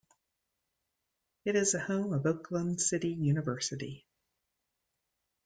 It is the home of Oakland City University.